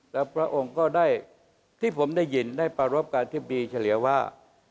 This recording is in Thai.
แล้วพระองค์ก็ได้ที่ผมได้ยินได้ประรบกับอธิบดีเฉลี่ยว่า